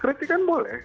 kritik kan boleh